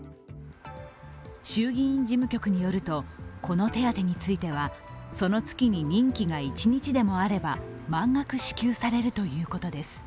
衆議院事務局によると、この手当についてはその月に任期が１日でもあれば満額支給されるということです。